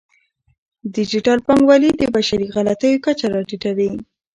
ډیجیټل بانکوالي د بشري غلطیو کچه راټیټوي.